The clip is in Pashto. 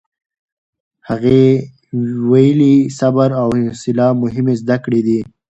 هغې ویلي، صبر او حوصله مهمې زده کړې دي.